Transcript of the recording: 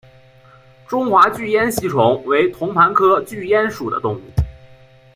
中华巨咽吸虫为同盘科巨咽属的动物。